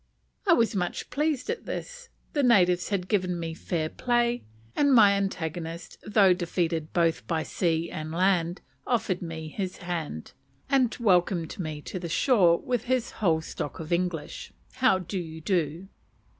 I was much pleased at this; the natives had given me fair play, and my antagonist, though defeated both by sea and land, offered me his hand, and welcomed me to the shore with his whole stock of English "How do you do?"